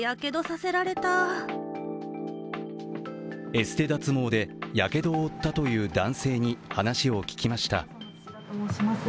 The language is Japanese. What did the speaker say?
エステ脱毛でやけどを負ったという男性に話を聞きました。